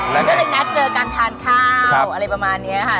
เพราะฉะนั้นเจอกันทานข้าวอะไรประมาณนี้ค่ะ